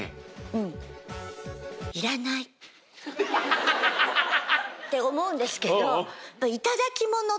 ハハハハ。って思うんですけど。